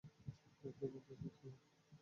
কী বলতে চাচ্ছেন, স্যার?